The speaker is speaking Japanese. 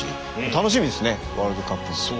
楽しみですねワールドカップ。